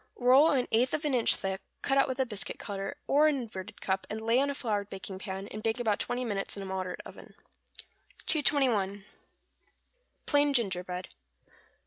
Roll an eighth of an inch thick, cut out with a biscuit cutter, or an inverted cup, and lay on a floured baking pan, and bake about twenty minutes in a moderate oven. 221. =Plain Gingerbread.